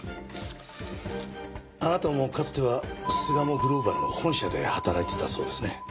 あなたもかつては巣鴨グローバルの本社で働いていたそうですね。